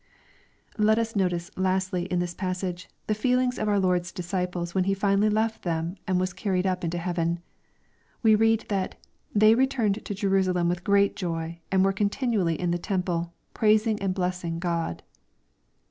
Let us notice, lastly, in this passage, the feelings of our Lord's disciples when He finally left them and was car* ried up into heaven. We read that " they returned to Jerusalem with great joy, and were continually in the temple, praising and blessing God."